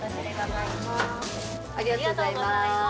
ありがとうございます。